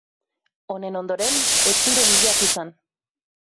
Honen ondoren, ez ziren hilak izan.